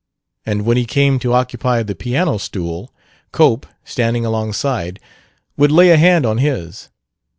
And when he came to occupy the piano stool, Cope, standing alongside, would lay a hand on his.